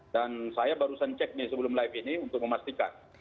dan saya barusan cek nih sebelum live ini untuk memastikan